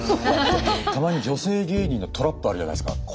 たまに女性芸人のトラップあるじゃないですか。